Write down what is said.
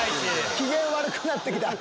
機嫌悪くなって来た！